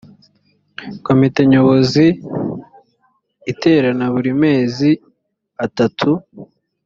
komite nyobozi iterana buri mezi atatu